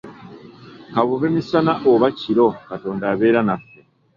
Kabube misana oba kiro, Katonda abeera naffe.